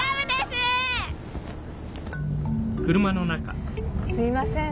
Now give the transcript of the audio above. すいません。